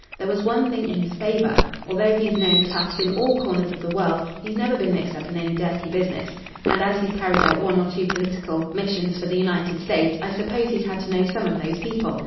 There was one thing in his favour. Although he's known toughs in all corners of the world, he's never been mixed up in any dirty business. And as he's carried out one or two political missions for the United States, I suppose he's had to know some of these people.